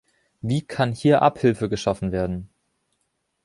Wie kann hier Abhilfe geschaffen werden?